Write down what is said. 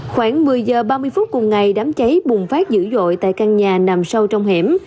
khoảng một mươi h ba mươi phút cùng ngày đám cháy bùng phát dữ dội tại căn nhà nằm sâu trong hẻm